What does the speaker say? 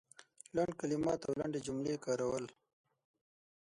لنډ کلمات او لنډې جملې کارول